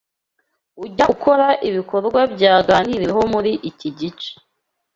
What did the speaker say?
Ujya ukora ibikorwa byaganiriweho muri iki gice